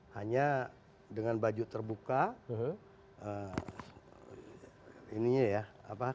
hanya dengan baju terbuka kancingnya terbuka